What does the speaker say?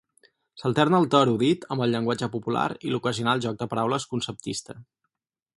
S'alterna el to erudit amb el llenguatge popular i l'ocasional joc de paraules conceptista.